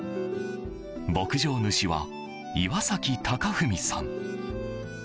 牧場主は岩崎崇文さん。